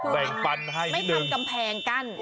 ไม่ทำกำแพงกัน